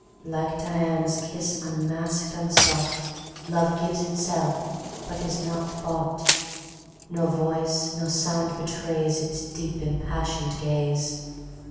Like dian's kiss, unasked, unsought, Love gives itself, but is not bought; Nor voice, nor sound betrays Its deep, impassioned gaze.